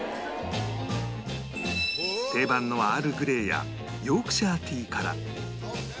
定番のアールグレイやヨークシャーティーから